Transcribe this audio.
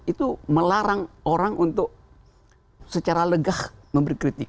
itu melarang orang untuk secara legah memberi kritik